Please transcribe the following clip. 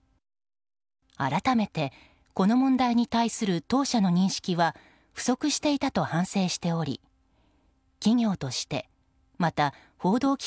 改めてこの問題に対する当社の認識は不足していたと反省しており洗濯の悩み？